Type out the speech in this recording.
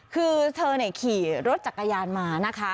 คือเธอขี่รถจักรยานมานะคะ